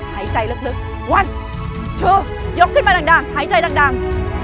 หายใจลึกวันโชว์ยกขึ้นมาดังหายใจดัง